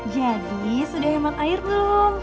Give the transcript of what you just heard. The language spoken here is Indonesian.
jadi sudah hemat air belum